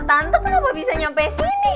tante kenapa bisa sampai sini